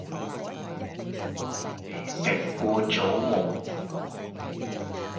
你哋食過早吂